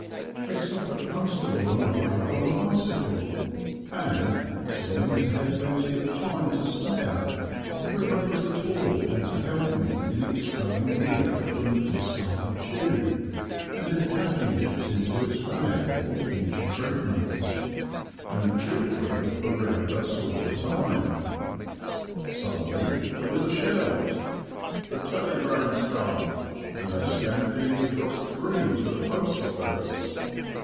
A Suffolk constable arrived on a bicycle and, seeming to have plenty of time to spare, remained to talk and to help me in expelling the air from the discarded tube, and in packing it into its bag for future treatment; and the children were round us all the time. Suddenly there was a shout, "The talleygram's come!" and a stampede across the green to the post office.